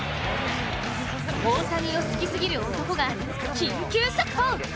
大谷を好きすぎる男が緊急速報。